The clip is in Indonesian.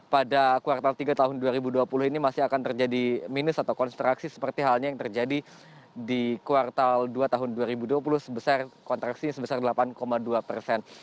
pada kuartal tiga tahun dua ribu dua puluh ini masih akan terjadi minus atau konstraksi seperti halnya yang terjadi di kuartal dua tahun dua ribu dua puluh sebesar kontraksi sebesar delapan dua persen